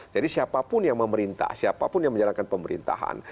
jadi siapapun yang memerintah siapapun yang menjalankan pemerintahan